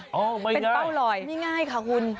เป็นเป้าหล่อยมันเล็กมากนะไม่ง่ายค่ะคุณ